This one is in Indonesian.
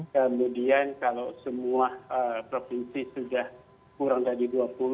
kemudian kalau semua provinsi sudah kurang dari dua puluh